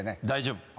大丈夫。